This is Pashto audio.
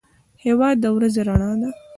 هېواد د ورځې رڼا ده.